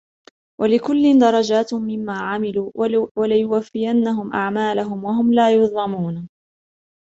وَلِكُلٍّ دَرَجَاتٌ مِمَّا عَمِلُوا وَلِيُوَفِّيَهُمْ أَعْمَالَهُمْ وَهُمْ لَا يُظْلَمُونَ